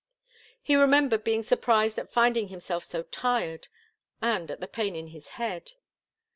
He remembered being surprised at finding himself so tired, and at the pain in his head.